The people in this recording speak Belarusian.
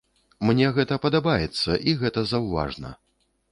Мне гэта падабаецца і гэта заўважна!